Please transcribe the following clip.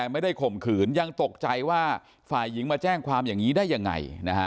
ข่มขืนยังตกใจว่าฝ่ายหญิงมาแจ้งความอย่างนี้ได้ยังไง